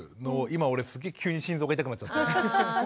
今俺すげえ急に心臓が痛くなっちゃって。